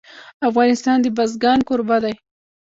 افغانستان د بزګان کوربه دی.